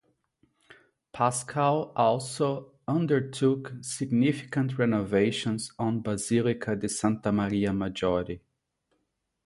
Paschal also undertook significant renovations on Basilica di Santa Maria Maggiore.